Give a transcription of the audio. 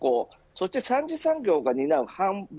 そして３次産業が担う販売